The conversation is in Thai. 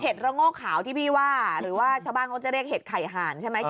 ระโง่ขาวที่พี่ว่าหรือว่าชาวบ้านเขาจะเรียกเห็ดไข่หานใช่ไหม